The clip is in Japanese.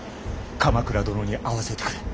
鎌倉殿に会わせてくれ。